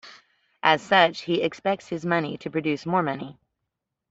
As such, he expects his money to produce more money.